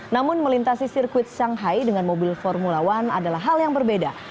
namun melintasi sirkuit shanghai dengan mobil formula one adalah hal yang berbeda